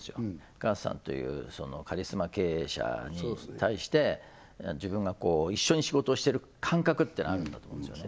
河瀬さんというカリスマ経営者に対して自分がこう一緒に仕事をしてる感覚ってあるんだと思うんですよね